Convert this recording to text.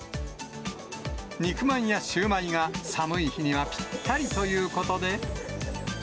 肉まんやシューマイが、寒い日にはぴったりということで。